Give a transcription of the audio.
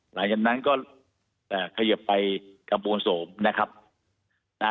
หลังจากนั้นก็เขยิบไปกระบวนโสมนะครับนะ